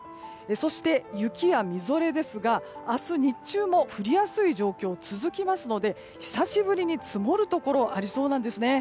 そして、雪やみぞれですが明日日中も降りやすい状況続きますので久しぶりに積もるところがありそうなんですね。